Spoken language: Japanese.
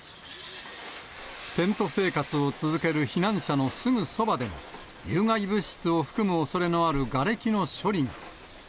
テント生活を続ける避難者のすぐそばでも、有害物質を含むおそれのあるがれきの処理が。